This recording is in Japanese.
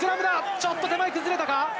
ちょっと手前、崩れたか？